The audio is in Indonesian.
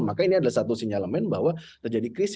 maka ini adalah satu sinyalemen bahwa terjadi krisis